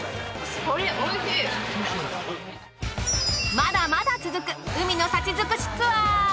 まだまだ続く海の幸尽くしツアー！